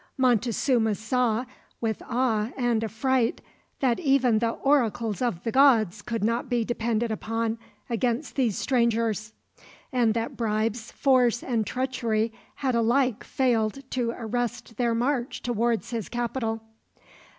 Montezuma saw, with awe and affright, that even the oracles of the gods could not be depended upon against these strangers; and that bribes, force, and treachery had alike failed to arrest their march towards his capital.